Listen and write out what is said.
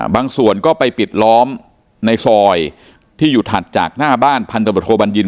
บางส่วนก็ไปปิดล้อมในซอยที่อยู่ถัดจากหน้าบ้านพันธบทโทบัญญิน